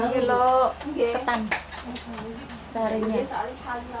enam kilo ketan seharinya